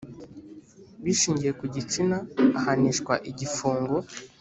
bishingiye ku gitsina ahanishwa igifungo